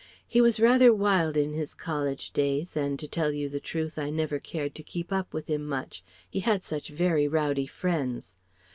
He was rather wild in his college days and to tell you the truth, I never cared to keep up with him much he had such very rowdy friends.